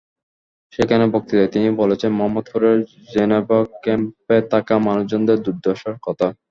সেখানে বক্তৃতায় তিনি বলেছেন মোহাম্মদপুরের জেনেভা ক্যাম্পে থাকা মানুষজনদের দুর্দশার কথা।